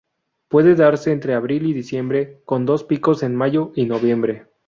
Pueden darse entre abril y diciembre, con dos picos en mayo y noviembre.